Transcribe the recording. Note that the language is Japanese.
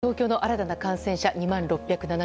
さて、東京の新たな感染者２万６７９人。